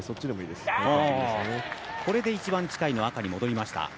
これで一番近いのは赤に戻りました。